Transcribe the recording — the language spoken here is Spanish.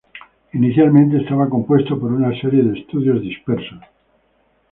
Inicialmente estaba compuesto por una serie de estudios dispersos.